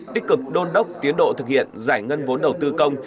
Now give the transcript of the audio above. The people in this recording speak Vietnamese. tích cực đôn đốc tiến độ thực hiện giải ngân vốn đầu tư công